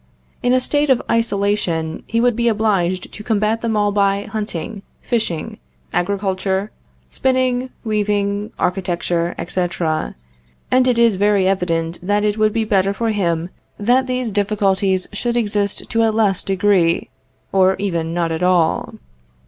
In a state of isolation, he would be obliged to combat them all by hunting, fishing, agriculture, spinning, weaving, architecture, etc., and it is very evident that it would be better for him that these difficulties should exist to a less degree, or even not at all.